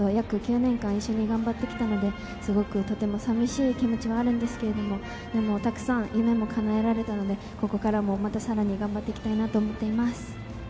役９年間一緒に頑張ってきたので、すごく寂しい気持ちはあるんですけど、とても寂しい気持ちはあるんですけど、たくさんの夢もかなえられてきたのでここからも、またさらに頑張っていきたいなと思っています。